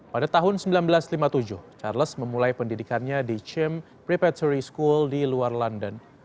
pada tahun seribu sembilan ratus lima puluh tujuh charles memulai pendidikannya di chim prepatory school di luar london